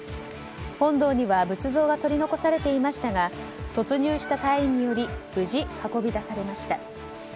本堂には仏像が取り残されていましたが突入した隊員により無事、運び出されました。